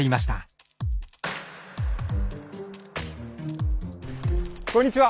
あこんにちは。